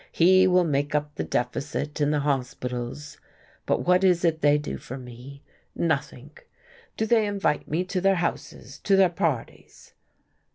He will make up the deficit in the hospitals. But what is it they do for me? Nothing. Do they invite me to their houses, to their parties?"